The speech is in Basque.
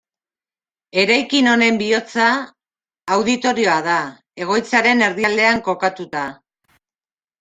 Eraikin honen bihotza Auditorioa da, egoitzaren erdialdean kokatuta.